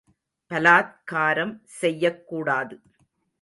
பலாத்காரம் செய்யக் கூடாது.